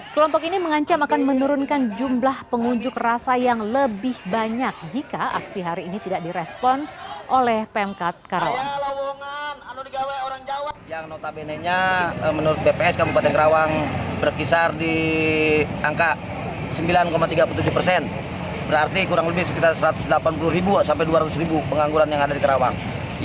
kelompok ini mengancam akan menurunkan jumlah pengunjuk rasa yang lebih banyak jika aksi hari ini tidak direspon oleh pemkat karawang